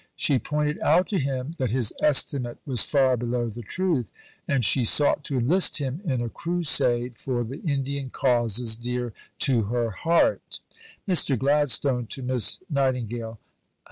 She pointed out to him that his estimate was far below the truth, and she sought to enlist him in a crusade for the Indian causes dear to her heart: (_Mr. Gladstone to Miss Nightingale.